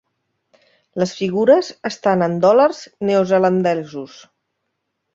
Les figures estan en dòlars neozelandesos.